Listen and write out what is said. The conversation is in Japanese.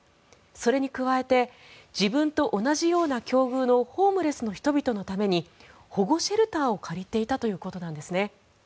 それに加えて自分と同じような境遇のホームレスの人々のために保護シェルターを借りていたということです。